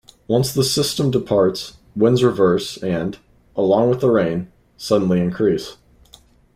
Once the system departs, winds reverse and, along with the rain, suddenly increase.